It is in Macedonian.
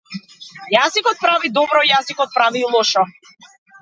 Јазикот прави добро, јазикот прави и лошо.